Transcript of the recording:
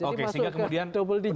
oke sehingga kemudian double digit